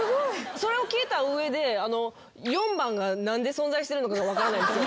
それを聞いた上で４番が何で存在してるのかが分からないんですけど。